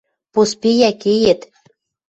– Поспея, кеет...